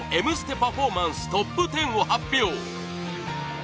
パフォーマンストップ１０を発表！